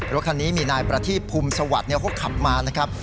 รถคันนี้มีนายประทีพภูมิสวัสดิ์เขาขับมานะครับ